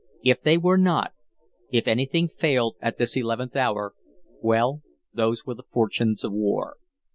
If they were not if anything failed at this eleventh hour well, those were the fortunes of war.